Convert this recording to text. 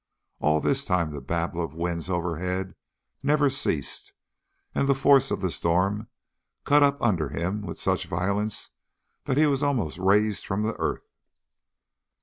All this time the babel of the winds overhead never ceased, and the force of the storm cut up under him with such violence that he was almost raised from the earth.